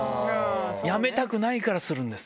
やめたくないからするんです。